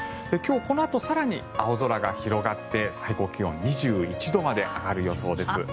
今日このあと更に青空が広がって最高気温、２１度まで上がる予想です。